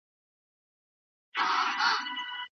آیا تاسې پوښتنې کول خوښوئ؟